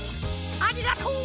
ありがとう。